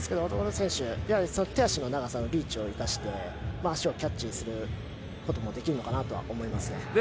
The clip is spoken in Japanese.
選手手足の長さのリーチを生かして足をキャッチすることもできるのかなとは思いますね。